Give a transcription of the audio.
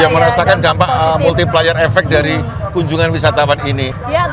yang merasakan dampak multiplier efek dari kunjungan wisatawan ini